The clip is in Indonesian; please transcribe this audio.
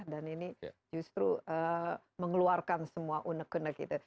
dan ini justru mengeluarkan semua unek unek itu